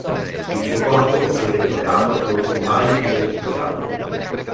Il suo corpo, se recuperato, non fu mai identificato.